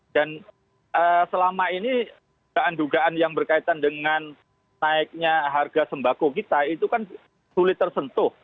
dan selama ini dugaan dugaan yang berkaitan dengan naiknya harga sembako kita itu kan sulit tersentuh